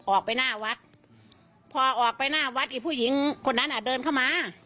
ออกไปหน้าวัดอีกผู้หญิงคนนั้นเดินเข้ามา